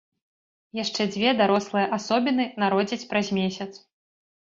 Яшчэ дзве дарослыя асобіны народзяць праз месяц.